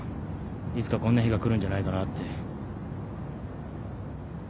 いつかこんな日が来るんじゃないかなって。